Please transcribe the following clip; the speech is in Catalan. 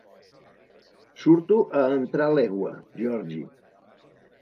Surto a entrar l'egua, Georgie".